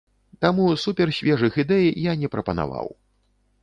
Таму супер-свежых ідэй я не прапанаваў.